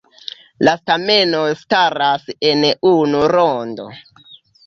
La stamenoj staras en unu rondo.